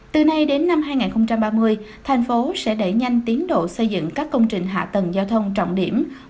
từ nay đến năm hai nghìn ba mươi thành phố sẽ đẩy nhanh tiến độ xây dựng các công trình hạ tầng giao thông trọng điểm